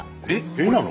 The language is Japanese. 絵なの？